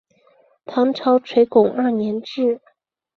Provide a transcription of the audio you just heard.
唐朝垂拱二年置。